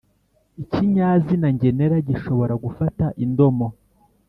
+ikinyazina ngenera gishobora gufata indomo,